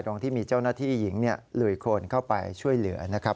ตรงที่มีเจ้าหน้าที่หญิงลุยโครนเข้าไปช่วยเหลือนะครับ